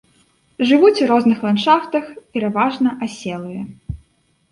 Жывуць у розных ландшафтах, пераважна аселыя.